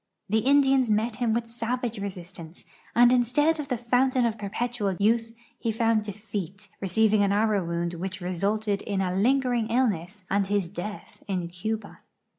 The Indians met him with savage resistance, and instead of the fountain of per; ])etual youth he found defeat, receiving an arrow wound which resulted in a lingering illness and his death in Cuba.